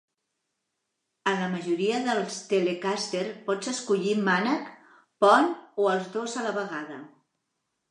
En la majoria de les Telecaster, pots escollir mànec, pont o els dos a la vegada.